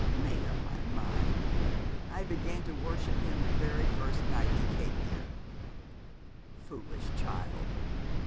'Made up my mind! I began to worship him the first night he came here.' 'Foolish child.